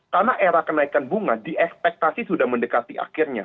karena era kenaikan bunga di ekspektasi sudah mendekati akhirnya